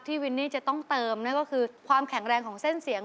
วินนี่จะต้องเติมนั่นก็คือความแข็งแรงของเส้นเสียง